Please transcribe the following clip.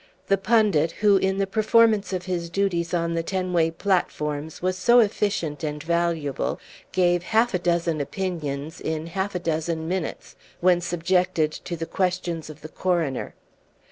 The pundit, who in the performance of his duties on the Tenway platforms was so efficient and valuable, gave half a dozen opinions in half a dozen minutes when subjected to the questions of the Coroner.